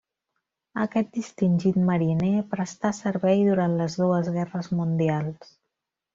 Aquest distingit mariner prestà servei durant les dues guerres mundials.